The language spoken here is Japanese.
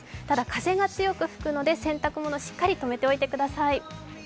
ただ、風が強く吹くので、洗濯物しっかり止めておいてください。